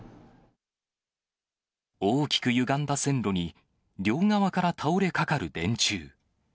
大きくゆがんだ線路に、両側から倒れかかる電柱。